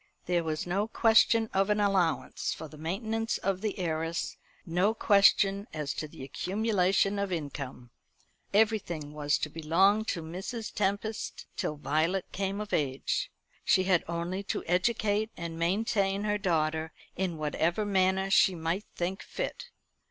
There was no question of an allowance for the maintenance of the heiress, no question as to the accumulation of income. Everything was to belong to Mrs. Tempest till Violet came of age. She had only to educate and maintain her daughter in whatever manner she might think fit.